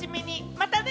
またね！